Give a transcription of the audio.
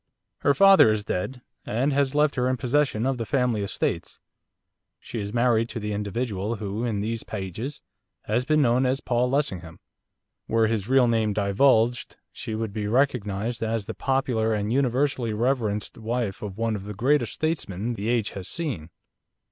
Her father is dead, and has left her in possession of the family estates. She is married to the individual who, in these pages, has been known as Paul Lessingham. Were his real name divulged she would be recognised as the popular and universally reverenced wife of one of the greatest statesmen the age has seen.